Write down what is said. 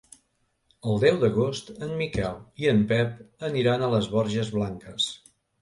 El deu d'agost en Miquel i en Pep aniran a les Borges Blanques.